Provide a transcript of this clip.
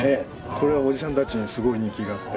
これはおじさんたちにすごい人気があって。